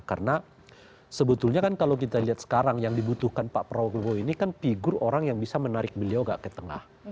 karena sebetulnya kan kalau kita lihat sekarang yang dibutuhkan pak prabowo ini kan figur orang yang bisa menarik beliau nggak ke tengah